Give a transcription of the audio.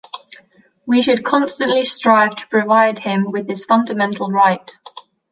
We should constantly strive to provide him with this fundamental right.